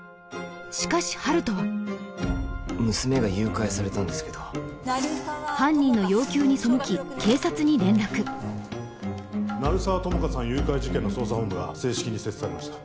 しかし温人は娘が誘拐されたんですけど犯人の鳴沢友果さん誘拐事件の捜査本部が正式に設置されました